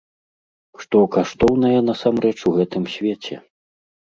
Што каштоўнае насамрэч у гэтым свеце?